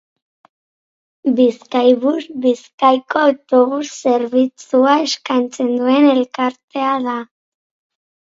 Bizkaibus Bizkaiko autobus zerbitzua eskaintzen duen elkartea da.